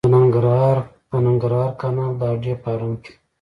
د ننګرهار کانال د هډې فارم کې